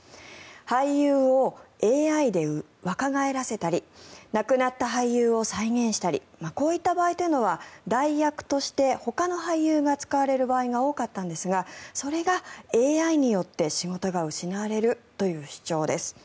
俳優をＡＩで若返らせたり亡くなった俳優を再現したりこういった場合というのは代役としてほかの俳優が使われる場合が多かったんですがそれがＡＩによって仕事が失われるという主張です。